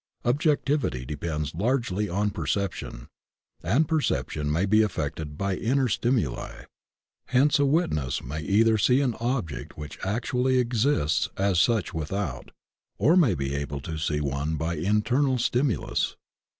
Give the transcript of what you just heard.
Ob jectivity depends largely on perception, and perception may be affected by inner stimuli. Hence a witness may either see an object which actually exists as such without, or may be made to see one by internal stimu lus.